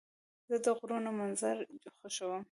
زه د غرونو منظر خوښوم.